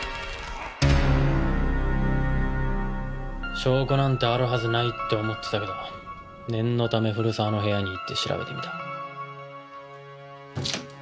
証拠なんてあるはずないって思ってたけど念のため古沢の部屋に行って調べてみた。